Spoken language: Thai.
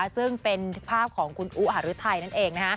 ซึ่งเป็นภาพของคุณอุหารือไทยนั่นเอง